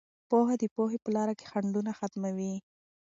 پوهه د پوهې په لاره کې خنډونه ختموي.